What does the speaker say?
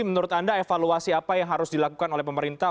menurut anda evaluasi apa yang harus dilakukan oleh pemerintah